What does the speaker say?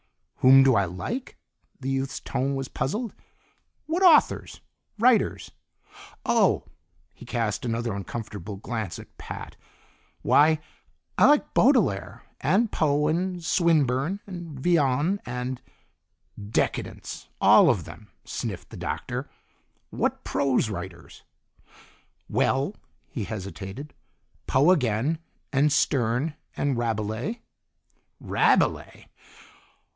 "Whom do I like?" The youth's tone was puzzled. "What authors writers?" "Oh." He cast another uncomfortable glance at Pat. "Why I like Baudelaire, and Poe, and Swinburne, and Villon, and " "Decadents, all of them!" sniffed the Doctor. "What prose writers?" "Well " He hesitated "Poe again, and Stern, and Rabelais " "Rabelais!"